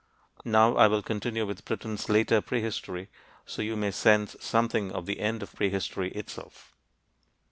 Now I will continue with Britain's later prehistory, so you may sense something of the end of prehistory itself.